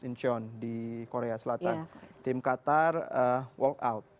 incheon di korea selatan tim qatar walk out